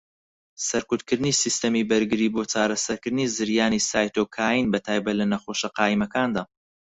سەرکوتکردنی سیستەمی بەرگری بۆ چارەسەرکردنی زریانی سایتۆکاین، بەتایبەت لە نەخۆشه قایمەکاندا.